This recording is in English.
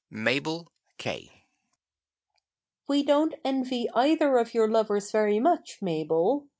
"Mabel K." We don't envy either of your lovers very much, Mabel.